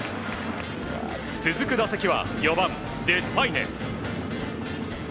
続く打席は４番、デスパイネ。